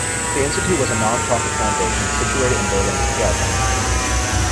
The Institute was a non-profit foundation situated in Berlin's Tiergarten.